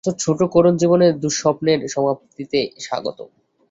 তোর ছোট্ট করুণ জীবনের দুঃস্বপ্নের সমাপ্তিতে স্বাগতম।